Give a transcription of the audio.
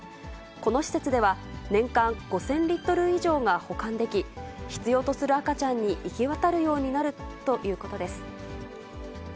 この施設では、年間５０００リットル以上が保管でき、必要とする赤ちゃんに行き渡るようになるということです。